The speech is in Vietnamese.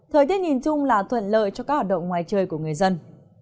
thời tiết nhìn chung là thuận lợi cho các hoạt động ngoài trời của người dân